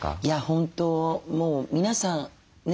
本当もう皆さんね